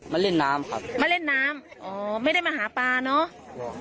มาเล่นน้ำครับมาเล่นน้ำอ๋อไม่ได้มาหาปลาเนอะ